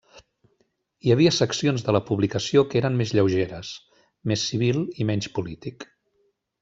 Hi havia seccions de la publicació que eren més lleugeres, més civil i menys polític.